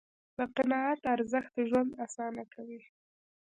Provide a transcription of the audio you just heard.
د قناعت ارزښت ژوند آسانه کوي.